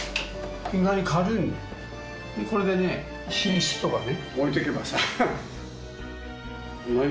これでね寝室とか置いとけばさ。